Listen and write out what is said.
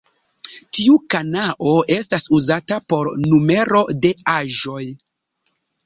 Tiu kanao estas uzata por numero de aĵoj.